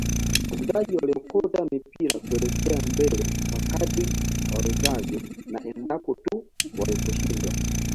Wachezaji walikokota mipira kuelekea mbele kwa kadri wawezavyo na endapo tu waliposhindwa